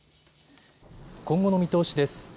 今後の見通しです。